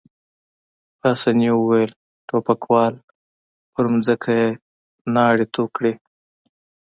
پاسیني وویل: ټوپکوال، پر مځکه يې ناړې تو کړې.